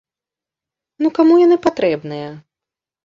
Ну каму яна патрэбная?!